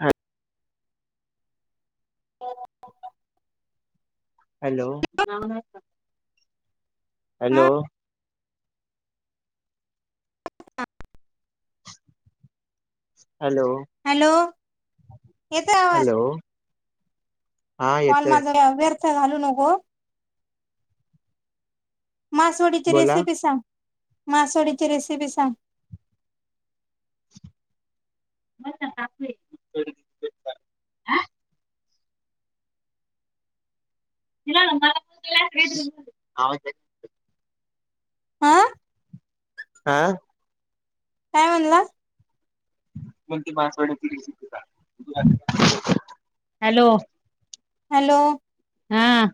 हा. [unintelligible] हॅलो, तु जेवला नाहीस का? हॅलो. हा हॅलो, हॅलो, येतोय आवाज? हॅलो हा कॉल येतोय माझा व्यर्थ घालू नको. मासवडीची बोला रेसिपी सांग, मासवडीची रेसिपी सांग? मं आवांज हां हां कायं म्हणलां हॅलो हॅलो हां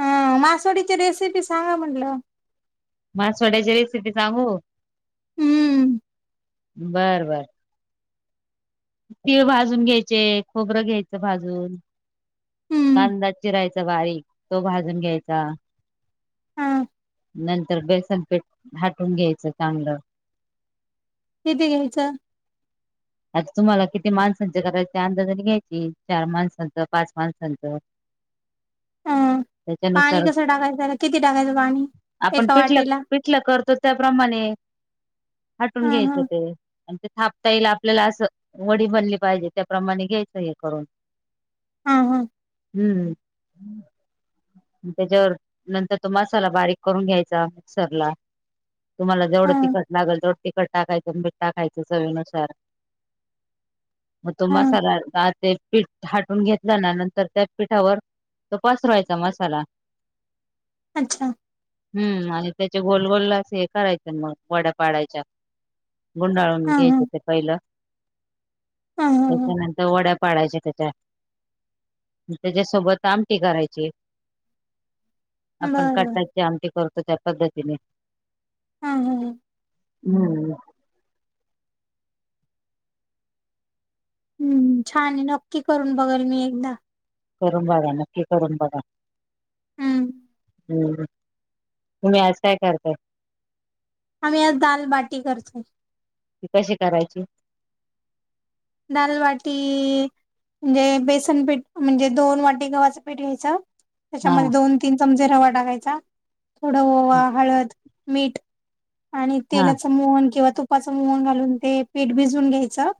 हां मासोडीची रेसिपी सांगा म्हटलं मासोवड्यांची रेसिपी सांगू हम्मं बरं बरं तिळं भाजूंन घ्यायचे खोबरं घ्यायचं भाजूंन हम्म कांदा चिरायचां बारीक तो भाजूंन घ्यायचां हा नंतर बेसन पीठ हाटूंन घ्यायचं चांगलं किती ईचं आंता तुम्हांला माणसांचे करायची अंदाज आणि घ्यायची चार माणसांचं पांच माणसांचं अं पाणी त्याच्यानुसार कसं टाकायचंला किती टाकायचं पाणी आपणं एका पिठलं वाटीला पिठलं करतो त्यांप्रमाणे हटूंन हा घ्यायचं हा ते आणि ते थांपता येईल आपल्यांला असं वडी बनली पाहिजे त्यांप्रमाणे घ्यायचं हे करूंन हां हां हम्मं त्यांच्यावरं नंतर तो मसांला बारीक करूंन घ्यायचां मिक्सर लां तुम्हांला हा जवढं तिखंट लागलं तेवढ तिखंट टाकायंच मिठ टाकायचं चवीनुसारं तो हा मसांला दानत एक पीठ हाटूंन घेतलां नां नंतर त्यां पिठांवरं तो पसरांवयांचा मसांला अच्छा हम्मं आणि त्याचे गोल गोलला असं हे करायचं मंग वड्यांपाडांयच्यां गुंडाळून हा हा घ्यांयचे ते पहिलं हा हा हा त्यांच्यानंतर वड्यां पाडयच्यां त्यांच्या त्यांच्यासोबत आमटी करायची आपणं बरं काटांची आमटी करतो त्यां पद्धतीने हम्मं हम्मं हम्मं हम्मं छांन आहे नक्की करूंन बघंल मी एकदां करूंन बघां नक्की करूंन बघां हम्मं हम्मं तुम्हीं आंज कायं करतांय आम्हीं आंज दालबाटी करतोय ते कशी करायची दालवाटी म्हणजे बेसन पीठ म्हणजे दोन वाटी गव्हाचं पीठ घ्यायचं हा त्यांच्यामध्यें दोन तीनं चमचे रवां टाकायचां थोडं ओवा हळंद मीठ आणि हा तेलाचं मोहन किंवा तुपाचं मोहन घालूंन ते पीठ भिजूंन घ्यायचं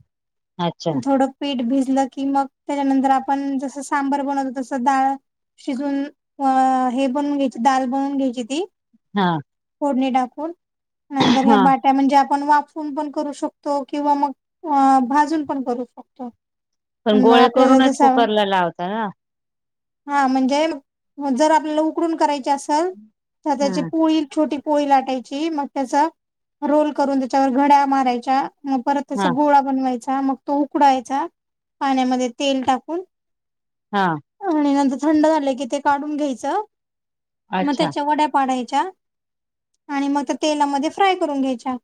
अच्छा थोडं पिठ भिजलं की, मग त्याच्यानंतर आपण जसं सांबर बनवतो, तसं डाळ शिजून हे बनवून घ्यायची, दाल बनवून घ्यायची ती हा!.. फोडणी टाकून नंतर हा बाट!.. त्या म्हणजे आपण वाफून पण करू शकतो. किंवा मग भाजून पण करू शकतो. पण अन् गोळे आपल्याला करूनच जसा कुकरला लावता ना? हा!.. म्हणजे जर, आपल्याला उकडून करायच अस तर त्याची हा पोळी छोटी पोळी लाटायची मग त्याचा रोल करून त्याच्यावर, घड्या मारायच्या मग, परत त्याचा हा गोळा बनवाय चा मग तो उकडायचा!.. पाण्यामध्ये तेल टाकून. हा! !.. आणि नंतर थंड झालं की? ते काढून घ्यायचं!.. मग अच्छा त्याच्या वड्या पाडायच्या, आणि मग त्या तेलामध्ये फ्राय करून घ्यायच्या.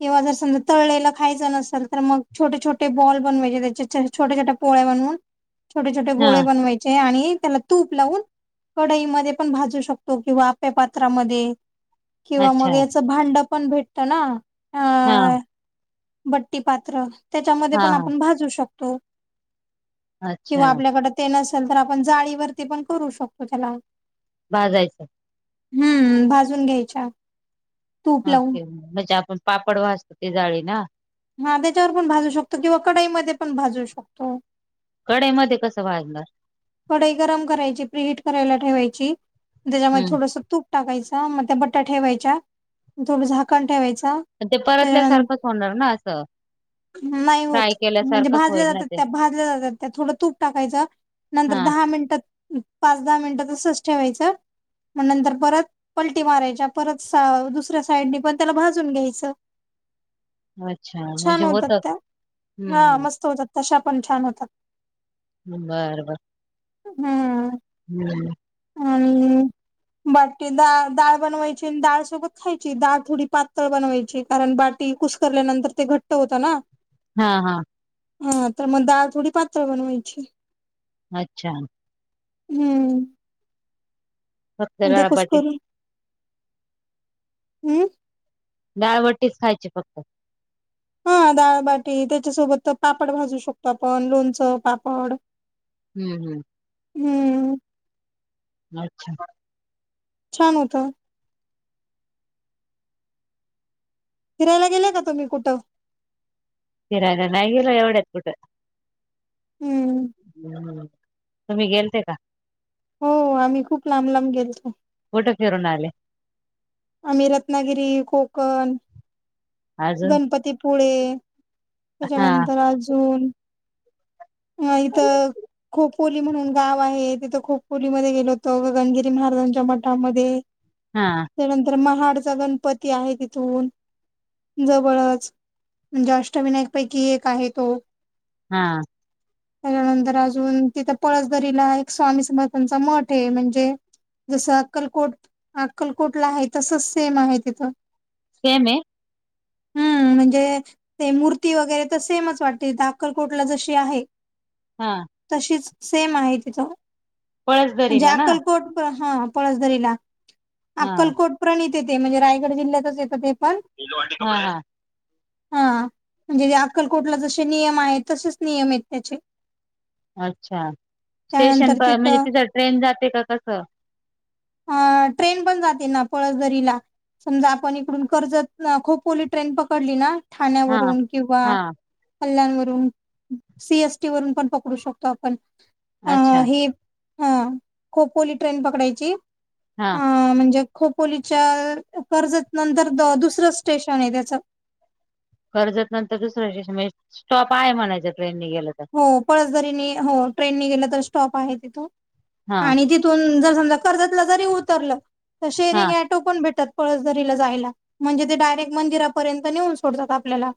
किंवा जर समजा तळलेला खायचं नसेल तर, मग छोटे छोटे बॉल बनवायचे त्याच्या छोटे छोटे पोळ्या बनवून छोटे छोटे हा गोळे बनवायचे आणि त्याला तूप लावून कढाईमध्ये पण, भाजू शकतो किंवा आप्या पात्रामध्ये! !.. किंवा अच्छा मग याच भांड पण भेटतं ना हा अ!.. बट्टी पात्र त्याच्यामध्ये हा पण हा आपण भाजू शकतो? किंवा अच्छा आपल्याकडे ते नसेल तर आपण जाळीवरती पण करू शकतो. त्याला भाजायचं! !.. हमम्!.. भाजून द्यायचा? अके! !. म्हणजे आपण पापड वाासतो. ती जाळी ना? हा! त्याच्यावर पण, भाजू शकतो. किंवा कडाईमध्ये पण भाजू शकतो. कडे मध्ये कसं भाजणार कडाई गरम करायची फ्रीहीट करायला ठेवायची, त्याच्यामध्ये हम्म थोडस तूप टाकायच मग, ते बटा ठेवायच्या थोडं झाकण ठेवायचं? पन ते त्याच्यानंतर परतल्यासारखंच होणार ना असं नाही फ्राय होत? म्हणजे केल्यासारखंच भाजल्या होईल ना जातात. ते त्या भाजल्या जातात. त्या थोडं तूप टाकायचं नंतर हा दहा मिनिटात पाच दहा मिनिटात असच ठेवायचं मग नंतर परत पलटी मारायच्या परत दुसऱ्या साईडनी पण, त्याला भाजून घ्यायचं. अच्छा छान म्हणजे होत होतात त्या, हा हम्म मस्त होतात. तशा पण छान! होतात. बर बर! !.. हम्म!.. हम् [unintelligible] आणि बाटी डाळ डाळ बनवायची आणि डळ सोबत खायची डाळथोडी पातळ बनवायची. कारण बाटी कुसकरल्यानंतर ते घट्ट होत ना? हा हा! !.. हा तर मग डाळ थोडी पातळत बनवायची. अच्छा! !.. हम्म!. फक्त दे कुस डाळबाटी करून हु डाळ बटीच खायची फक्त!.. हा डाळबाटी त्याच्यासोबत पापड भाजू शकतो. आपण लोणचं पापड. हम् हम्म! !.. हम्म!.. अच्छा! छान होतं. फिरायला गेले का तुम्ही कुटं? फिराय नायी गेलो येवढयात कुटं. हम्म तुमी गेल्ते का? हुं, आमी खूप लांब लांब गेल्तो. कुटं फिरून आले? आमी रत्नागिरी, कोकण अजून गणपतीपुळे, हा त्याच्यानंतर अजून नाई तं खूप पुली म्हणून गाव आहे, तिथं खूप पुलीमध्ये गेलो होतो, गणगिरी महाराजांच्या मठामध्ये. हाआ त्यानंतर महाडचा गणपती आहे तिथून जवळच म्हणजे अष्टविनायक पैकी एक आहे तो. हा त्याच्यानंतर अजून तिथं पळसदरीला एक स्वामी समर्थांचा मठ आहे म्हणजे जसं अक्कलकोट अक्कलकोटला हाय तसंच सेम आहे तिथं. सेमे? हं, म्हणजे ते मूर्ती वगरे तर सेमच वाटते. इथे अक्कलकोटला जशी ते आहे. हा तशीच सेम आहे तिथं म्हणजे पळसदरीला ना अक्कलकोट हं हा पळसदरीला. हा अक्कलकोटप्रणितए ते, म्हणजे रायगड जिल्ह्यातच येतं ते पण [inaudible] हा हा हा म्हणजे अक्कलकोटला जशे नियम आहेत तसेच नियम आहेत त्याचे. अच्छा, टेशन प म्हणजे तिथं ट्रेन जाते का कसं? अ ट्रेन पण जाते ना पळसदरीला. समजा आपण इकडून कर्जतनं खोपवली ट्रेन पकडली ना? हा ठाण्यावरून किंवा हा कल्याणावरून सी. एस. टी. वरून पण पकडू शकतो आपण अच्छा हे हा, खोपोली ट्रेन पकडायची हा अ म्हणजे खोपोलीच्या अ कर्जत नंतर द दुसरं स्टेशनए त्याचं. कर्जत नंतर दुसरं स्टेशन म्हणजे स्टॉप आहे म्हणायचं ट्रेननी गेलं तर? हो, पळसदरीने हो ट्रेननं गेलं तर स्टॉप आहे तिथू हा आणि जी पो थून जर समजा कर्जतला जरी उतरलं तर हा शेअरिंग ऍट टो पण भेटतात पळसदरीला जायला म्हणजे ते डायरेक्ट मंदिरापर्यंत नेऊन सोडतात आपल्याला.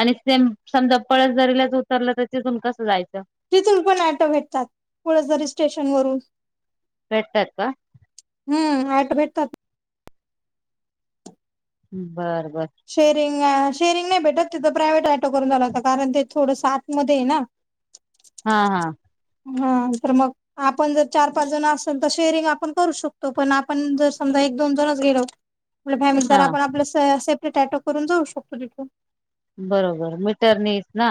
आणि सेम समजा पळसजरीलाच उतरलं तर चिथून कसं जायचं? तिथून पण ॲटो भेटतात. पळसदरी स्टेशन वरून. भेटतात बा? हं ऍटो भेटतात. बर बर शेअरिंग, शेरिंग नाही भेटत, तिथ प्रायव्हेट ऍटो करून जाव लागतं कारण ते थोडंसं आतमध्ये आहे ना? हा हा. हा तर मग, आपण जर चार पाच जण असल तर शेअरिंग आपण करू शकतो. पण आपण जर समजा एक दोन जणच गेलो आपली फॅमिली तर हा आपण आपलं से सेपरेट ऑटो करून जाऊ शकतो तिथे. बरोबर. मीटर नाहीत ना.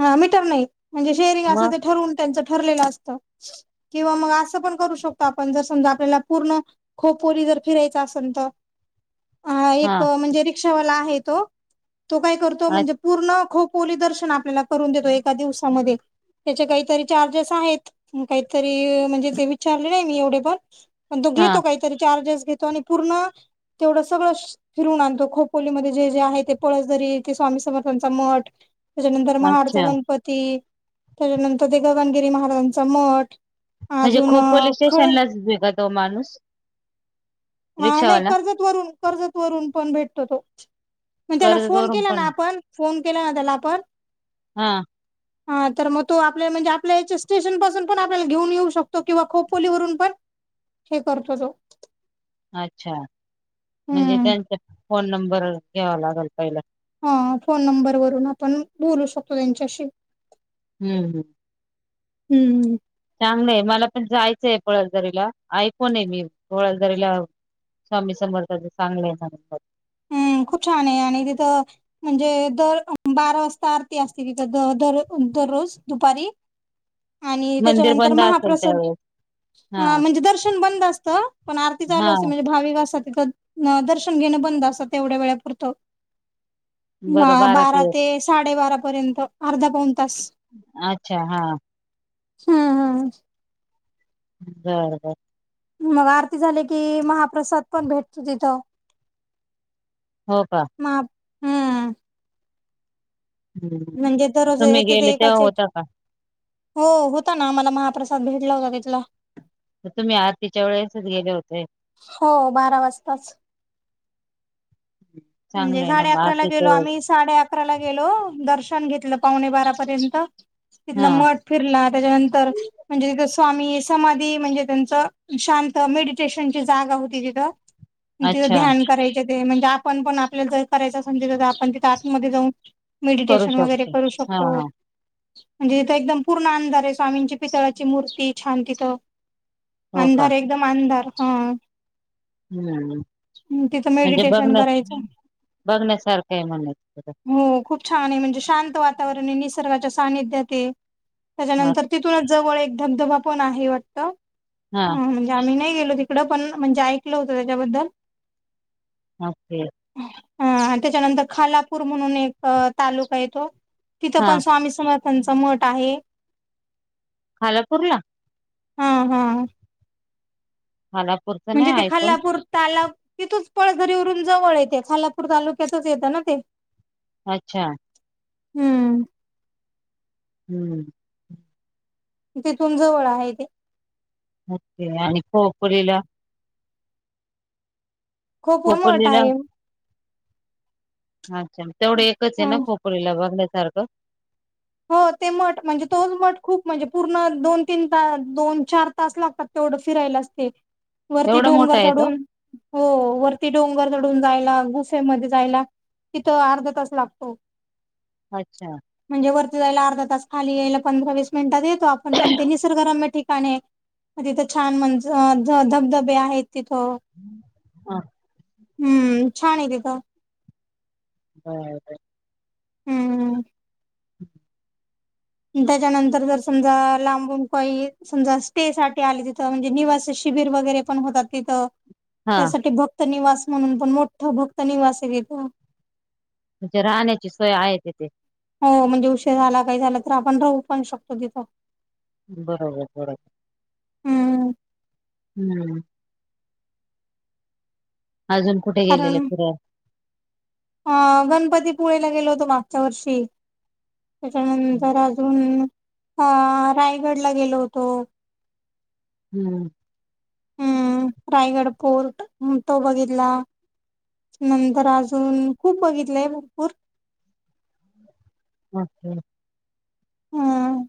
हा मीटर नाही. म्हणजे शेअरिंग असं मग ते ठरवून त्यांचं ते ठरलेलं असतं. किंवा मग असं पण करू शकतो आपण जर समजा आपल्याला पूर्ण खोपोरी जर फिरायचं असन तर ह हा एक म्हणजे रिक्षावाला आहे तो. तो काय करतो हा म्हणजे, पूर्ण खोपोली दर्शन आपल्याला करून देतो. एका दिवसामध्ये त्याचे काहीतरी चार्जेस आहेत. काहीतरी म्हणजे ते विचारले नाही मी एवढे पण, पण तो घेतो काहीतरी चार्जेस घेतो. आणि पूर्ण तेवढं सगळं स फिरवून आणतो खोपोली मध्ये जे जे आहे ते पळसदरी, ते स्वामी समर्थांचा मठ त्याच्यानंतर महाडचा अच्छा गणपती, त्याच्यानंतर गगनगिरी महाराजांचा मठ म्हणजे अजून खोपोळी खळे स्टेशनलाच नेतो तो माणूस. ह नाही रिक्षावाला कर्जत वरून कर्जत वरून पण भेटतो तो. मग त्याला कर्जत फोन वरून केला पण ना आपण फोन केला ना त्याला आपण. हा. [inaudible] हा तर मग तो आपल्या म्हणजे आपल्या याच्या स्टेशन पासून पण आपल्याला घेऊन येऊ शकतो किंवा खोपोलीवरून पण हे करतो तो. अच्छा, म्हणजे हम्म. त्यांचा फोन नंबर घ्यावा लागेल पहिला. हा फोन नंबर वरून आपण बोलू शकतो त्यांच्याशी. हम्म हम्. हम्म. चांगलंय मला पण जायचंय पळसदरीला. ऐकून पण आहे मी पळसदरीला स्वामी समर्थाचे चांगले आहे परिसर. हम्म, खूप छान आहे आणि तिथं म्हणजे दरोज बारा वाजता आरती असते तिथ दर दररोज दुपारी. आणि मंदिर त्याच्यानंतर बंद असेल महाप्रसाद. त्यावेळेस हा म्हणजे दर्शन बंद असतं. पण आरती चालू हा असते म्हणजे भाविक असतात तिथं दर्शन घेणं बंद असत तेवढ्या वेळापुरतं. बारा ते साडेबारा पर्यंत अर्धा पाऊण तास. अच्छा, हा. हा हा ह. बरं बरं. मग आरती झाली की महाप्रसाद पण भेटतो तिथं. हो. का. [unintelligible] हम्म हम्म. म्हणजे दरोज तुम्ही एक तर गेले तिथे तेव्हा एकाचे होता का हो होता ना. आम्हाला महाप्रसाद भेटला होता तिथला. तर तुम्ही आरतीच्या वेळेसचं गेले होते. हो बारा वाजताचं. चांगलं म्हणजे आहे ना साडे मग अकराला आरतीच्या गेलो वेळेस आम्ही साडे अकरा ला गेलो. दर्शन घेतलं पावणे बारा पर्यंत तिथलं हा मठ फिरला. त्याच्यानंतर म्हणजे तिथ स्वामी समाधी म्हणजे त्यांच शांत मेडिटेशन. त्यांची जागा होती कि काय तिथे अच्छा ध्यान कराय म्हणजे आपण पण आपल्या जे करायच असन आपण तिथे आत मध्ये जाऊन करू मेडिटेशन वगैरे शकतो करू हा शकतो. हा म्हणजे तिथं एकदम पूर्ण अंधार आहे स्वामींची पितळंची मूर्ती छान तिथं हो का अंधार एकदम अंधार हा. हम्म हं तिथं म्हणजे मेडिटेशन बघण्या करायचं. बघण्यासारखं म्हणायचं. हो खूप छान आहे म्हणजे शांत वातावरण हे निसर्गाच्या सानिध्यात हे हा त्याच्यानंतर तिथूनचं जवळ एक धबधबा पण आहे वाटतं. हा. आम्ही नाही गेलो तिकडं पण म्हणजे ऐकलं होत त्याच्याबद्दल. [unintelligible] हा आणि त्याच्यानंतर खालापूर म्हणून एक तालुका आहे तो. तिथं हा पण स्वामी समर्थांचा मठ आहे. खालापूरला? हा हा खालापूर म्हणजे ते खालापूर तालाव तिथंच पळघरीवरून जवळ येते खालापूर तालुक्यातच येतं ना ते. अच्छा हम्म हम्म तिथून जवळ आहे ते मोजकीला आणि खोपरीला. खोपरिला मठ खोपोलीला आहे. अच्छा तेवढं एकच आहे ना हं खोपरीला बघण्यासारखं? हो ते मठ म्हणजे तोच मठ खूप म्हणजे पूर्ण दोन- तीन तास, दोन-चार तास लागतात. तेवढं फिरायलाचं ते वरती एवढा मोठा डोंगर आहे तो चढून हो वरती डोंगर चढून जायला, गुसेमध्ये जायला तिथं अर्धा तास लागतो. अच्छा म्हणजे वरती जायला अर्धा तास खाली यायला पंधरा वीस मिनिटात येत तो आपण पण ते निसर्गरम्य ठिकाण हे. मग तिथं छान म्हणज धबधबे आहेत तिथं. हा. हम्म, छान हे तिथं. बरं बरं. हम्म. [inaudible] त्याच्यानंतर जर समजा लांबून पई समजा स्टे साठी आली तिथं म्हणजे निवासी शिबीर वगैरे पण होतात तिथं हा त्यासाठी भक्त निवास म्हणून पण मोठं भक्त निवास आहे तिथं. म्हणजे राहण्याची सोय आहे तिथे. हो म्हणजे उशीर झाला काही झालं तर आपण राहू पण शकतो तिथं. बरोबर बरोबर. हम्म हम्म. अजून कुठे गेलेले कारण फिराय? अ गणपतीपुळेला गेलो होतो मागच्या वर्षी. त्याच्यानंतर अजून, अ रायगडला गेलो होतो. हम्म. हम्म, रायगड फोर्ट तो बघितला. नंतर अजून खुप बघितलंय भरपूर. बापरे! हम्म.